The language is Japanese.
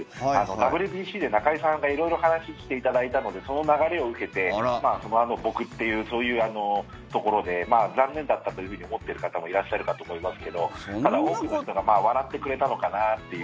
ＷＢＣで中居さんが色々話していただいたのでその流れを受けて僕っていう、そういうところで残念だったというふうに思っている方もいらっしゃるかと思いますけど多くの人が笑ってくれたのかなっていう。